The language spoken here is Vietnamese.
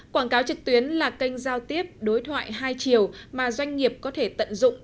quảng cáo trực tuyến là kênh giao tiếp đối thoại hai chiều mà doanh nghiệp có thể tận dụng